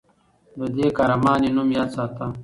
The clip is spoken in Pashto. د دې قهرمانې نوم یاد ساته.